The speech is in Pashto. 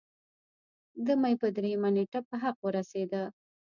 د مۍ پۀ دريمه نېټه پۀ حق اورسېدو